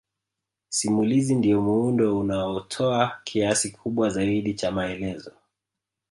Simulizi ndiyo muundo unaotoa kiasi kikubwa zaidi cha maelezo